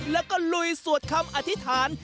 แล้วก็ลุยสวดคำอธิษฐาน